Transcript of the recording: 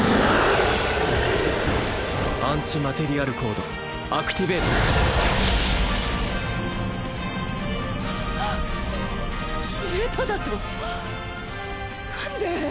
アンチマテリアルコードアクティベート消えただと何で？